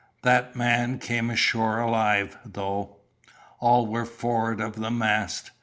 That man came ashore alive, though. All were forward of the foremast.